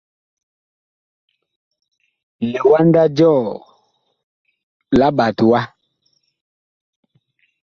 Liwanda jɔɔ la ɓat wa.